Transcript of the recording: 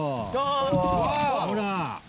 ほら。